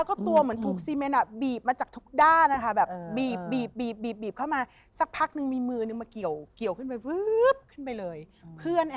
มันไม่น่าเชื่อว่าเราจะต้องนึกที่บรรดาเป็ด